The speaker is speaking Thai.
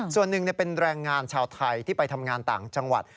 ส่วนหนึ่งเป็นแรงงานชาวไทยที่ไปทำงานต่างจังหวัด